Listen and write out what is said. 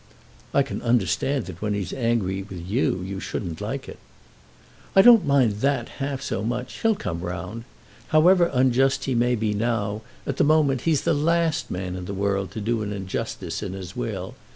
"I can understand that when he's angry with you, you shouldn't like it." "I don't mind that half so much. He'll come round. However unjust he may be now, at the moment, he's the last man in the world to do an injustice in his will.